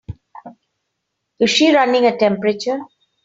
Is she running a temperature?